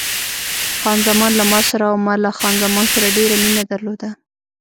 خان زمان له ما سره او ما له خان زمان سره ډېره مینه درلوده.